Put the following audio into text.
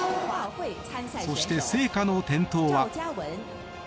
そして、聖火の点灯は。